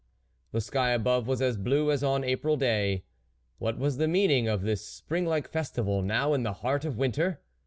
The sky above was as blue as on an April day. What was the meaning* of this spring like festival, now, in the heart of winter